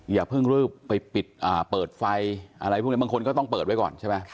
อย่าเพิ่งรีบไปปิดเปิดไฟอะไรพวกนี้บางคนก็ต้องเปิดไว้ก่อนใช่ไหม